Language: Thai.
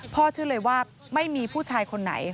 เชื่อเลยว่าไม่มีผู้ชายคนไหน